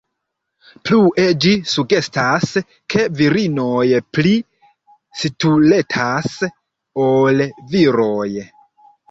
Plue ĝi sugestas, ke virinoj pli stultas ol viroj.